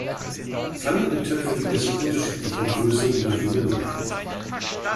Pfannen und Töpfe gibt es in unterschiedlichen Größen oder Volumina.